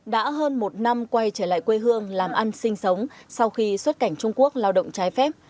đã hơn một năm quay trở lại quê hương làm ăn sinh sống sau khi xuất cảnh trung quốc lao động trái phép